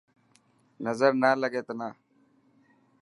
نظر نا لڳي تنا.